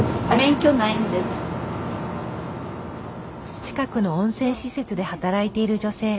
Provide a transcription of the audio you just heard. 近くの温泉施設で働いている女性。